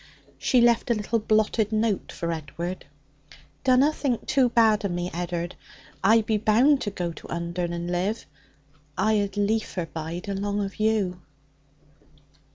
She left a little blotted note for Edward. 'Dunna think too bad of me, Ed'ard. I be bound to go to Undern and live; I ud liefer bide along of you.'